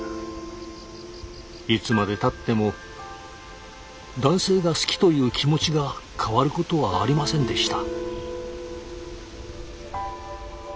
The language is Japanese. いつまでたっても男性が好きという気持ちが変わることはありませんでした。